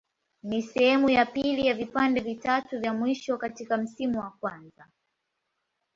Ni sehemu ya pili ya vipande vitatu vya mwisho katika msimu wa kwanza.